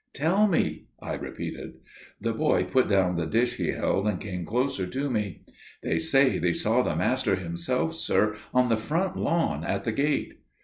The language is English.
"Tell me," I repeated. The boy put down the dish he held and came closer to me. "They say they saw the master himself, sir, on the front lawn, at the gate."